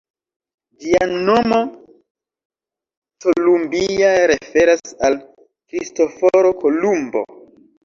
Ĝia nomo, ""Columbia"", referas al Kristoforo Kolumbo.